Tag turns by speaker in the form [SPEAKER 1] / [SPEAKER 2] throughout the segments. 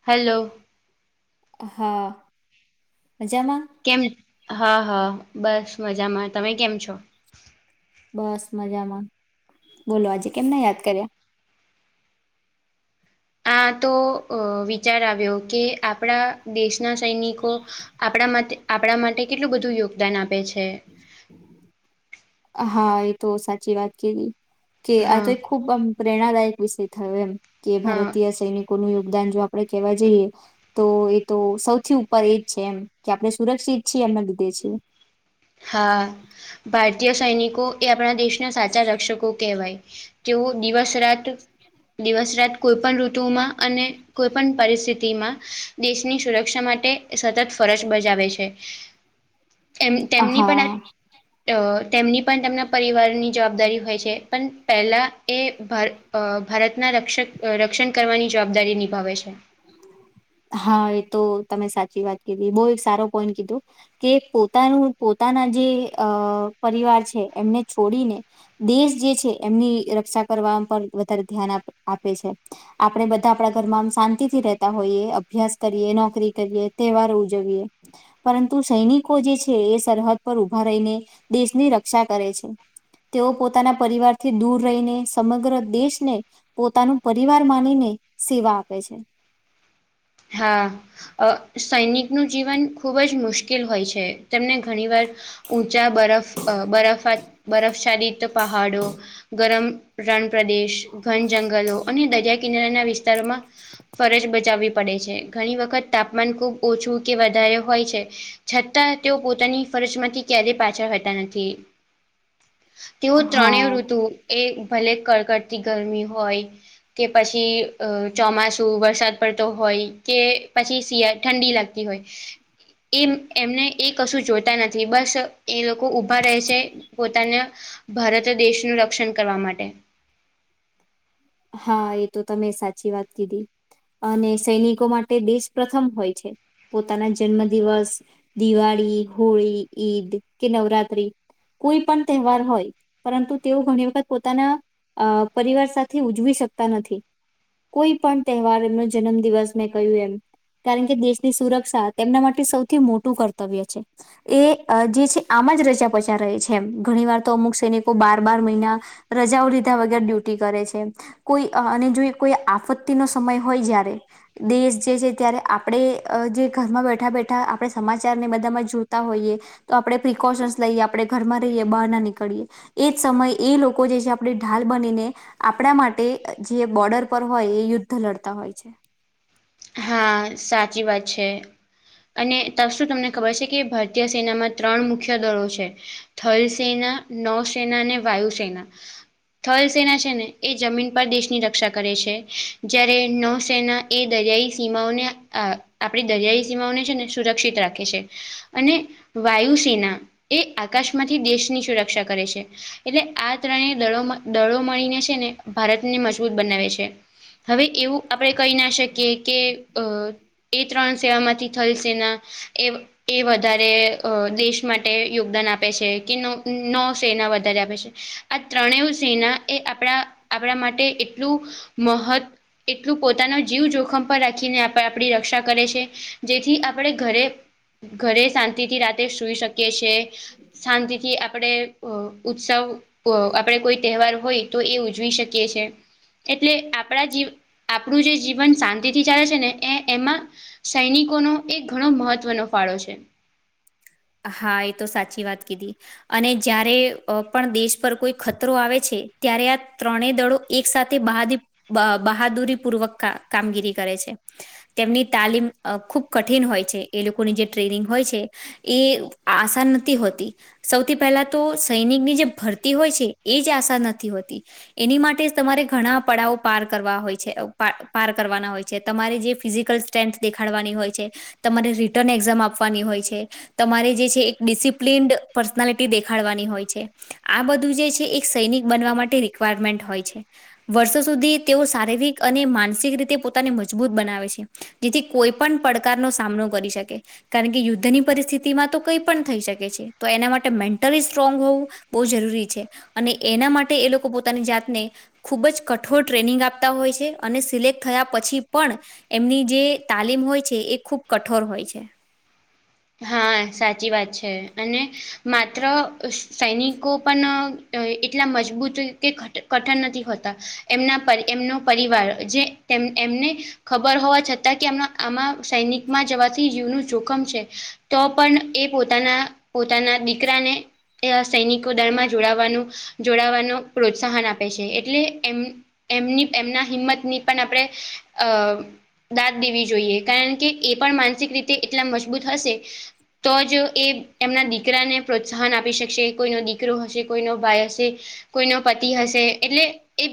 [SPEAKER 1] Hello.
[SPEAKER 2] હા મજામાં
[SPEAKER 1] કેમ હા હા બસ મજામાં તમે કેમ છો?
[SPEAKER 2] બસ મજામાં બોલો આજે કેમને યાદ કર્યા
[SPEAKER 1] આતો વિચાર આવ્યો કે આપણા દેશ ના સૈનિકો આપણા માટે આપણા માટે કેટલું બધું યોગદાન આપે છે.
[SPEAKER 2] હા એતો સાચી વાત કે કે આતો
[SPEAKER 1] હા
[SPEAKER 2] એક ખુબ આમ પ્રેરણાદાયક વિષય થયો એમ કે
[SPEAKER 1] હા
[SPEAKER 2] ભારતીય સૈનિકોનું યોગદાન જો આપડે કહેવા જઈએ તોએ તો સૌથી ઉપર એજ છે, એમકે આપણે સુરક્ષિત છીએ એમને લીધે છે.
[SPEAKER 1] હા, ભારતીય સૈનિકો એ આપણા દેશના સાચા રક્ષકો કહેવાય. તેઓ દિવસ રાત દિવસ રાત કોઈ પણ ઋતુમાં અને કોઈપણ પરિસ્થિતિમાં દેશની સુરક્ષા માટે સતત ફરજ બજાવે છે. એમ તેમની
[SPEAKER 2] હા
[SPEAKER 1] પણઆ અ તેમની પણ તેમના પરિવારની જવાબદારી હોય છે, પણ પહેલા એ ભર અ ભારતના રકક્ષ- રક્ષણ કરવાની જવાબદારી નિભાવે છે.
[SPEAKER 2] હા એતો તમે સાચી વાત કીધી બહુ એક સારો પોઈન્ટ કીધું. કે પોતાનું પોતાના જેઅ પરિવાર છે, એમને છોડીને દેશ જે છે, એમની રક્ષા કરવા પર વધારે ધ્યાન આપે છે. આપડે બધા આપણા ઘરમાં આ શાંત અતિથી રેતા હોઈએ અભ્યાસ કરીએ નોકરી કરીએ તહેવાર ઉજવીએ. પરંતુ સૈનિકોજે છે, એ સરહદ પર ઉભા રહીને દેશની રક્ષા કરે છે. તેઓ પોતાના પરિવારથી દૂર રહીને સમગ્ર દેશને પોતાનું પરિવાર માનીને સેવા આપે છે.
[SPEAKER 1] હા સૈનિકનું જીવન ખૂબ જ મુશ્કેલ હોય છે, તેમને ઘણીવાર ઊંચા બરફ બરફ બરફશાલીત પહાડો ગરમ રણપ્રદેશ ઘન જંગલો અને દરિયાકિનારાના વિસ્તારોમાં ફરજ બજાવે પડે છે, ઘણી વખત તાપમાન ખૂબ ઓછું કે વધારે હોય છે. છતાં તેઓ પોતાની ફરજમાંથી ક્યારેય પાછળ હોતા નથી. તેઓ ત્રણેય
[SPEAKER 2] હા
[SPEAKER 1] ઋતુએ ભલે કડકડતી ગરમી હોય. કે પછી અ ચોમાસું વરસાદ પડ્ હોય કે પછી શિયાળામાં ઠંડી લાગતી હોય. એમ એમને એકશું જોતા નથી, બસ એ લોકો ઊભા રહે છે. પોતાના ભારત દેશનું રક્ષણ કરવા માટે
[SPEAKER 2] હાએ તો તમે સાચી વાત કીધી. અને સૈનિકો માટે દેશ પ્રથમ હોય છે. પોતાના જન્મદિવસ, દિવાળી, હોળી, ઈદ કે નવરાત્રી કોઈપણ તહેવાર હોય પરંતુ તેઓ ઘણી વખત પોતાના અ પરિવાર સાથે થી ઉજવી શકતા નથી, કોઈપણ તહેવાર એમનો જન્મદિવસ મેં કહ્યું એમ. કારણકે, દેશની સુરક્ષા તેમના માટે સૌથી મોટું કર્તવ્ય છે. એ એજે છે, આમાં જ રજા બજા રહે છે, એમ ઘણીવાર તો અમુક સૈનિકો બાર બાર મહિના રજાઓ લીધા વગર ડ્યુટી કરે છે. કોઈ અને જોઈ કોઈ આપત્તિનો સમય હોય જ્યારે દેશ જે છે ત્યારે આપણે જે ઘરમાં બેઠા બેઠા આપણે સમાચારને બધામાં જોતા હોઈએ તો આપડણે પ્રિકોશન્સ લઈએ આપડે ઘરમાં રહીએ બહાર ના નીકળીએ એ જ સમયે એ લોકો જે છે આપણે ઢાલ બનીને આપણા માટે જે બોર્ડર પર હોય એ યુદ્ધ લડતા હોય છે.
[SPEAKER 1] હા સાચી વાત છે. અને ત શું તમને ખબર છે કે ભારતીય સેનામાં ત્રણ મુખ્ય દળો છે. થલ સેના નૌસેેના અને વાયુસેેના થલ સેના છે ને એ જમીન પર દેશની રક્ષા કરે છે જય્યારે નૌ સેના એ દરિયાઈ સીમાઓને આપણી દરિયાઈ સીમાઓને છે ને સુરક્ષિત રાખે છે. અને વાયુસેના એ આકાશમાંથી દેશની સુરક્ષા કરે છે. એટલે આ ત્રણેય દ દળો મળીને છે ને ભારતને મજબૂત બનાવે છે. હવે એવું આપણે કહી ના શકીએ કે અ એ ત્રણ સેવામાંથી થલશેના એ એ વધારે અ દેશ માટે યોગદાન આપે છે કે ન ન સેના વધારે આપે છે. આ ત્રણે સેના એ આપણા આપણા માટે એટલું મહત્ એટલું પોતાનો જીવ જોખમ રાખીને આપણી રક્ષા કરે છે જેથી આપણે ઘરે ઘરે શાંતિ થી રાતે સુઈ શકી છે. શાંતિથી આપણે ઉત્સવ આપણે કોઈ તહેવાર હોય તો એ ઉજવી શકીએ છ છે. એટલે આપણા જી આપણું જે જીવન શાંત થી ચાલે છે ને એ એમાં સૈનિકોનો એક ઘણો મહત્વનો ફાળો છે.
[SPEAKER 2] હા એ તો સાચી વાત કીધી. અને જયારે પણ દેશ પર કોઈ ખતરો આવે છે ત્યારે આ ત્રણેય દળો. એક સાથે બહાદ બહાદુરી પૂર્વક કામગીરી કરે છે. તેમની તાલીમ ખુબ કઠિન હોય છે એ લોકોની જે ટ્રેનિંગ હોય છે. એ આશા નથી હોતી. સૌથી પહેલા તો સૈનિકની જે ભરતી હોય છે એ જ આશા નથી હોતી. એની માટે જ તમારે ઘણા પડાઓ પાર કરવા હોય છે પાર કરવાના હોય છે તમારે જે ફિઝિકલ સ્ટન્થ દેખાડવાની હોય છે તમારે રિટર્ન એક્ઝામ આપવાની હોય છે. તમારે જે છે એક ડિસિપ્લિન્ડ પર્સનાલિટી દેખાડવાની હોય છે. આ બધું જે છે એક સૈનિક બનવા માટે રિક્વાયરમેન્ટ હોય છે. વર્ષો સુધી તેઓ શારીરિક અને માનસિક રીતે પોતાને મજબૂત બનાવે છે. જેથી કોઈ પણ પડકારનો સામનો કરી શકે કારણ કે યુદ્ધની પરિસ્થિતિ તો કંઈ પણ થઈ શકે છે તો એના માટે મેન્ટલી સ્ટ્રોંગ હોવું બહુ જરૂરી છે. અને એના માટે એ લોકો પોતાની જાતને ખૂબ જ કઠોર ટ્રેનિંગ આપતા હોય છે અને સિલેક્ટ થયા પછી પણ એમની જે તાલીમ હોય છે એ ખુબ કઠોર હોય છે.
[SPEAKER 1] હા સાચી વાત છે અને માત્ર સૈનિકો પણ એટલા મજબૂત કેટ કઠન નથી હોતા એમના પર એમનો પરિવાર જે એમને ખબર હોવા છતાં કે આમ આમાં સૈનિકમાં જવાથી જીવનું જોખમ છે. તો પણ એ પોતાના પોતાના દીકરાને સૈનિકો દળમાં જોડાવાનું જોડાવાનો પ્રોત્સાહન આપે છે એટલે એમ. એમની એમના હિંમતની પણ આપણે અ દાત દેવી જોઈએ કારણ કે એ પણ માનસિક રીતે એટલા મજબૂત હશે તો જ એ એમના દીકરાને પ્રોત્સાહન આપી શકશે કોઈનો દીકરો હશે કોઈનો ભાઈ હશે કોઈનો પતિ હશે એટલે એ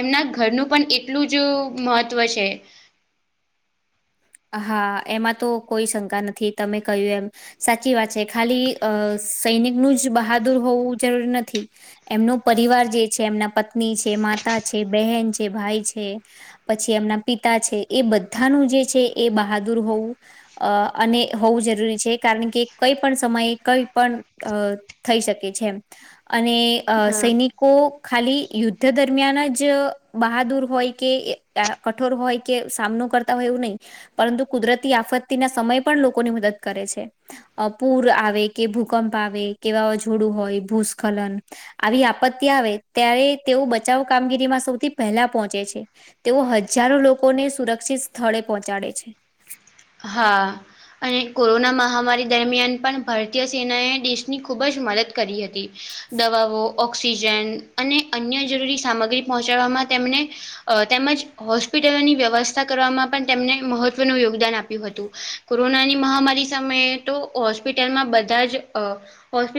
[SPEAKER 1] એમના ઘરનું પણ એટલું જ મહત્વ છે.
[SPEAKER 2] હા એમાં તો કોઈ શંકા નથી તમે કહ્યું એમ સાચી વાત છે ખાલી અ સૈનિકનું જ બહાદુર હોવું જરૂરી નથી. એમનો પરિવાર જે છે એમના પત્ની છે માતા છે બહેન છે ભાઈ છે. પછી એમના પિતા છે એ બધાનું જે છે એ બહાદુર હોવું અ અને હોવું જરૂરી છે કારણ કે કઈ પણ સમયે કઈ પણ થઈ શકે છે અને અ
[SPEAKER 1] હા
[SPEAKER 2] સૈનિક કો ખાલી યુદ્ધ દરમિયાન જ બહાદુર હોય કે એકતા કઠોર હોય કે સામનો કરતા હોય એવું નહી પરંતુ કુદરતી આફત્તીના સમય પણ લોકોની મદદ કરે છે અ પૂર આવે કે ભૂકંપ આવે કે વાવાઝોડું હોય ભૂસ્ખલન આવી આપત્તિ આવે ત્યારે તેઓ બચાવ કામગીરીમાં સૌથી પહેલા પહોંચે છે. તેઓ હજારો લોકોને સુરક્ષિત સ્થળે પહોંચાડે છે
[SPEAKER 1] હા. અને કોરોના મહામારી દરમિયાન પણ ભારતીય સેનાએ દેશની ખૂબ જ મદદ કરી હતી દવાઓ ઓક્સિજન અને અન્ય જરૂરી સામગ્રી પહોંચાડવામાં તેમને અ તેમજ હોસ્પિટલોની વ્યવસ્થા કરવામાં પણ તેમને મહત્વનું યોગદાન આપે કોરોનાની મહામારી સમયે તો હોસ્પિટલમાં બધા જ અ હોસ્પ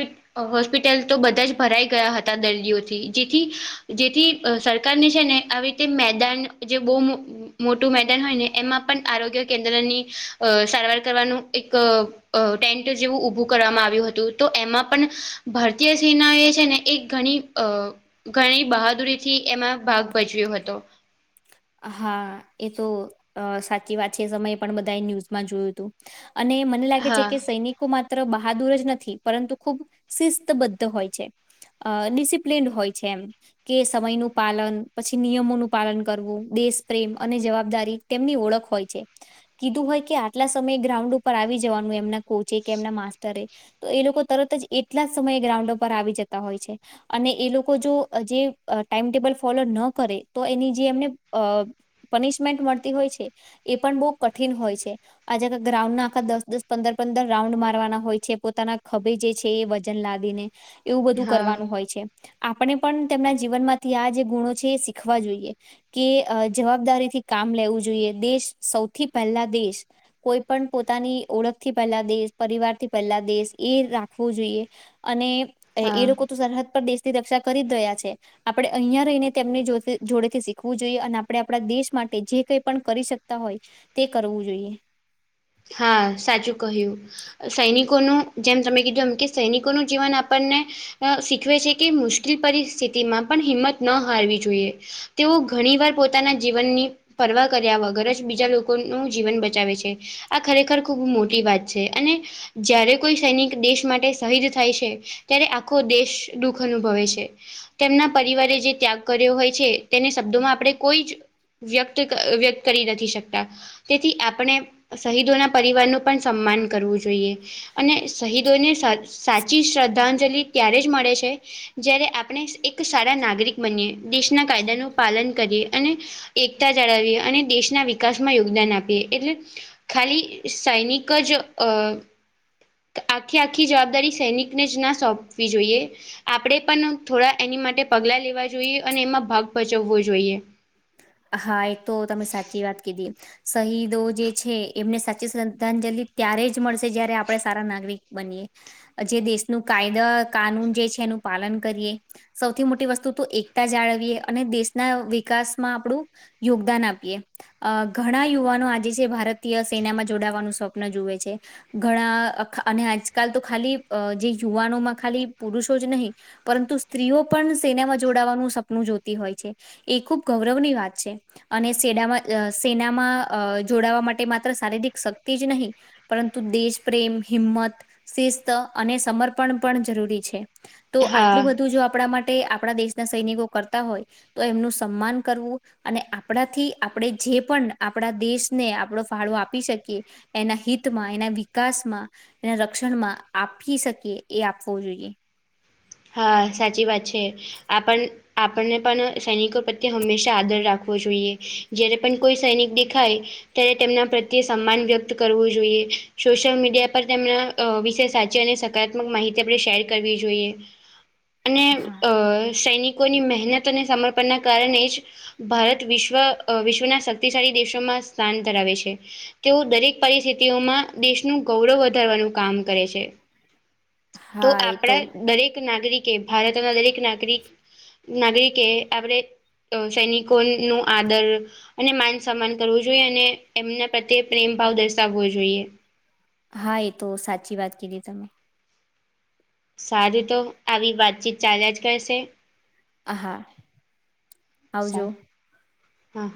[SPEAKER 1] હોસ્પિટલ તો બધા જ ભરાઈ ગયા હતા દર્દીઓથી જેથી જેથી સરકાર ની છે ને આવી રીતે મેદાન જે બહુ મોટું મેદાન હોય ને એમાં પણ આરોગ્ય કેન્દ્રની અ સારવાર કરવાનું એક અ ટેન્ટ જેવું ઊભું કરવામાં આવ્યું હતું તો એમાં પણ ભારતીય સેના એ છે ને એ ઘણી અ ઘણી બહાદુરીથી એમાં ભાગ ભજવ્યો હતો
[SPEAKER 2] હા એ તો સાચી વાત છે એ સમયે પણ બધાએ ન્યૂઝમાં જોયું હતું અને મને લાગે છે
[SPEAKER 1] હા
[SPEAKER 2] કે સૈનિક માત્ર બહાદુર જ નથી પરંતુ ખુબ શિસ્તબદ્ધ હોય છે અ ડિસિપ્લિન્ડ હોય છે એમ કે સમયનું પાલન પછી નિયમોનું પાલન કરવું દેશ પ્રેમ અને જવાબદારી તેમની ઓળખ હોય છે કીધું હોય કે આટલા સમયે ગ્રાઉન્ડ ઉપર આવી જવાનું એમના કોચ કે એમના માસ્ટરે તો એ લોકો તરત જ એટલા જ સમયે ગ્રાઉન્ડ પર આવી જતા હોય છે અને એ લોકો જો જે ટાઈમટેબલ ફોલો ન કરે તો એની જે એમને અ પનિશમેન્ટ મળતી હોય છે એ પણ બહુ કઠિન હોય છે આજ ગ્રાઉન્ડના આખા દસ દસ પંદર પંદર રાઉન્ડ મારવાના હોય છે પોતાના ખભે જે છે એ વજન લાદીને એવું બધું
[SPEAKER 1] હા
[SPEAKER 2] કરવાનું હોય છે આપણે પણ તેમના જીવન માંથી આ જે ગુણો છે એ શીખવા જોઈએ કે જવાબદારીથી કામ લેવું જોઈએ દેશ સૌથી પહેલા દેશ કોઈ પણ પોતાની ઓળખ થી પહેલા દેશ પરિવાર થી પહેલા દેશ એ રાખવું જોઈએ અને એ
[SPEAKER 1] હા
[SPEAKER 2] લોકો તો સરહદ પર દેશની રક્ષા કરી જ રયા છે આપડે અહિયા રહીને તેમની જોડે જોડે થી શીખ શીખવું જોઈએ અને આપડણે આપણા દેશ માટે જે કઈ પણ કરી શકતા હોય તે કરવું જોઈએ
[SPEAKER 1] હા સાચું કહ્યું સૈનિકોનું જેમ તમે કીધું એમ કે સૈનિકોનું જીવન આપણને અ શીખવે છે કે મુશ્કેલ પરિસ્થિતિમાં પણ હિંમત ન હારવી જોઈએ તેઓ ઘણી વાર પોતાના જીવનની પરવા કર્યા વગર જ બીજા લોકોનું જીવન બચાવે છે આ ખરેખર ખૂબ મોટી વાત છે અને જ્યારે કોઈ સૈનિક દેશ માટે શહીદ થાય છે. ત્યારે આખો દેશ દુઃખ અનુભવે છે તેમના પરિવારે જે ત્યાગ કર્યો હોય છે તેને શબ્દોમાં આપણે કોઈ જ વ્યક્ત વ્યક્ત કરી નથી શકતા તેથી આપણે શહીદોના પરિવારનું પણ સન્માન કરવું જોઈએ અને શહીદોને સાચિ સાચી શ્રદ્ધાંજલિ ત્યારે જ મળે છે જયારે આપણે એક સારા નાગરિક બનીએ દેશના કાયદાનું પાલન કરીએ અને એકતા જાળવીએ અને દેશના વિકાસ માં યોગદાન આપીએ એટલે ખાલી સૈનિક જ અ આખી આખી જવાબદારી સૈનિકને જ ના સોંપવી જોઈએ આપણેે પણ થોડા એની માટે પગલા લેવા જોઈએ અને એમાં ભાગ ભચવવો જોઈએ.
[SPEAKER 2] હા એ તો તમે સાચી વાત કીધી. શહીદો જે છે એમને સાચી શ્રદ્ધાંજલિ ત્યારે જ મળશે જયારે આપડે સારા નાગરિક બનીયએ. જે દેશનું કાયદા કાનૂન જે છે એનું પાલન કરીએ. સૌથી મોટી વસ્તુ તો એકતા જાળવીએ અને દેશના વિકાસ આપડું યોગદાન આપીએ. અ ઘણા યુવાનો આજે છે ભારતીય સેનામાં જોડાવાનું સ્વપ્ન જુવે છે. ઘણા અને આજકાલ તો ખાલી જે યુવાનોમાં ખાલી પુરુષો જ નહીં પરંતુ સ્ત્રીઓ પણ સેનામાં જોડાવાનું સપનું જોતી હોય છે એ ખૂબ ગૌરવની વાત છે. અને સેડામાં સેનામાં જોડાવા માટે માત્ર શારીરિક શક્તિ જ નહીં પરંતુ દેશ પ્રેમ હિંમત શિસ્ત અને સમર્પણ પણ જરૂરી છે. તો
[SPEAKER 1] હા
[SPEAKER 2] આટલું બધું જો આપણા માટે આપણા દેશના સૈનિકો કરતા હોય તો એમનું સન્માન કરવું અને આપણાથી આપણે જે પણ આપણા દેશને આપણો ફાળો આપી શકીએ એના હિતમાં એના વિકાસમાં તેના રક્ષણમાં આપી શકીએ એ આપવું જોઈએ.
[SPEAKER 1] હા સાચી વાત છે આપણ આપણને પણ સૈનિકો પ્રત્યે હંમેશા આદર રાખવો જોઈએ જ્યારે પણ કોઈ સૈનિક દેખાય ત્યારે તેમના પ્રત્યે સમાન વ્યક્ત કરવું જોઈએ સોશિયલ મીડિયા પર તેમના અ વિશે સાચી અને સકારાત્મક માહિતી આપણે શેર કરવી જોઈએ. અને
[SPEAKER 2] હા
[SPEAKER 1] અ સૈનિકોની મહેનત અને સમર્પણના કારણે જ ભારત વિશ્વ વિશ્વના શક્તિશાળી દેશોમાં સ્થાન ધરાવે છે. તેઓ દરેક પરિસ્થિતિઓમાં દેશનું ગૌરવ વધારવાનું કામ કરે છે. તો
[SPEAKER 2] હા એ
[SPEAKER 1] આપણા દરેક નાગરિકે ભારતના દરેક નાગરિક નાગરિકે આપણે સૈનિકોનું આદર અને માન સન્માન કરવું જોઈએ અને એમના પ્રત્યે પ્રેમ ભાવ દર્શાવવો જોઈએ.
[SPEAKER 2] હા એ તો સાચી વાત કીધી તમે.
[SPEAKER 1] સારું તો આવી વાતચીત ચાલ્યા જ કરશે.
[SPEAKER 2] હા. આવજો.
[SPEAKER 1] સારું હા.